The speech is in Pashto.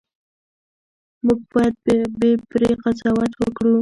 موږ باید بې پرې قضاوت وکړو.